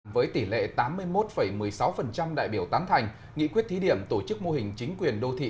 với tỷ lệ tám mươi một một mươi sáu đại biểu tán thành nghị quyết thí điểm tổ chức mô hình chính quyền đô thị